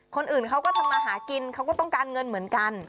คนอื่นเขาก็ทำมาหากินเขาก็ต้องการเงินเหมือนกัน